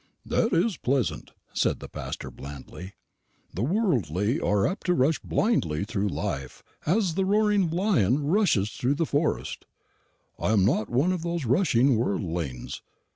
"That is pleasant," said the pastor blandly: "the worldly are apt to rush blindly through life, as the roaring lion rushes through the forest. I am not one of those rushing worldlings.